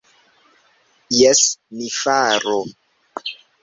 Jes, ni faru.